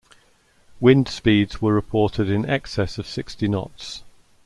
Winds speeds were reported in excess of sixty knots.